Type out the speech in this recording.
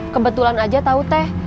kebetulan aja tau teh